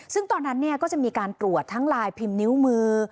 ซึ่งตอนนั้นก็จะมีการตรวจทั้งลายพิมพ์นิ้วมือ